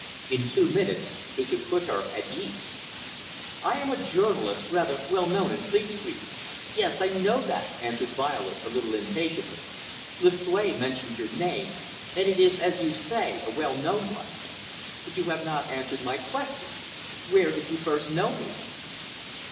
In two minutes, he could put her at her ease. "I am a journalist, rather well known in Fleet Street." "Yes, I know that," answered Violet a little impatiently. "Lucue mentioned your name, and it is, as you say, a well known one. But you have not answered my question. Where did you first know me?"